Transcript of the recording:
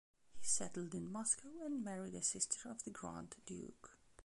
He settled in Moscow and married a sister of the grand duke.